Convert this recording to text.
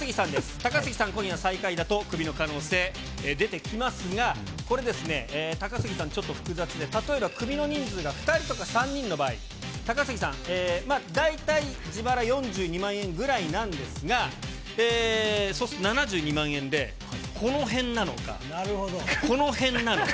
高杉さん、今夜、最下位だと、クビの可能性出てきますが、これ、高杉さん、ちょっと複雑で、例えばクビの人数が２人とか３人の場合、高杉さん、大体、自腹４２万円ぐらいなんですが、そうすると７２万円で、この辺なのか、この辺なのか。